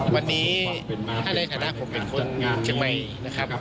วันนี้ท่านแรกฐานาคมเป็นคนเชียงใหม่นะครับ